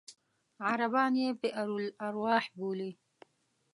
عربان یې بئر الأرواح بولي.